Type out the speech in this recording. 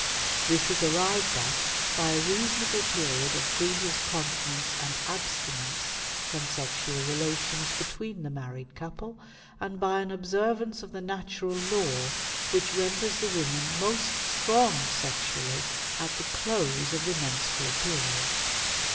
This is arrived at by a reasonable period of previous continence and abstinence from sexual relations between the married couple, and by an observance of the natural law which renders the woman most strong sexually at the close of the menstrual period.